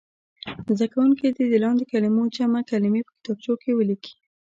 زده کوونکي دې د لاندې کلمو جمع کلمې په کتابچو کې ولیکي.